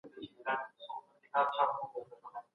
خوشحالي هم باید په اندازه وي.